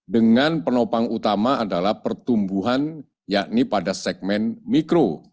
dengan penopang utama adalah pertumbuhan yakni pada segmen mikro